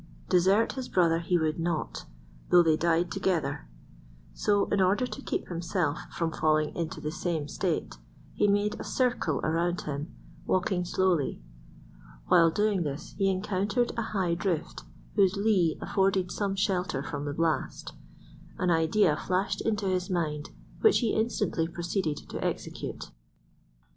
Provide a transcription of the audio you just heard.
Desert his brother he would not, though they died together; so, in order to keep himself from falling into the same state, he made a circle around him, walking slowly. While doing this he encountered a high drift whose lee afforded some shelter from the blast. An idea flashed into his mind which he instantly proceeded to execute.